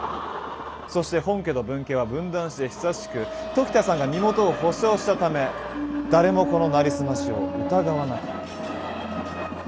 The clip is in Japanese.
そして本家と分家は分断して久しく時田さんが身元を保証したため誰もこの成りすましを疑わなかった。